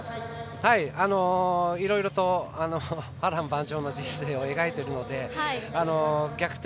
いろいろと波乱万丈の人生を描いているので、逆転